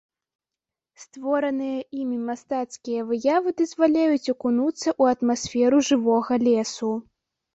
Створаныя імі мастацкія выявы дазваляюць акунуцца ў атмасферу жывога лесу.